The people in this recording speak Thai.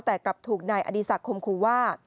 แต่กลับถูกนายอดีศักดิคมครูว่า